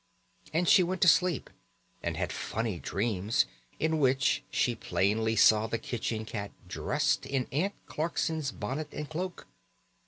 And she went to sleep, and had funny dreams in which she plainly saw the kitchen cat dressed in Aunt Clarkson's bonnet and cloak.